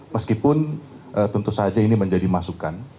meskipun tentu saja ini menjadi masukan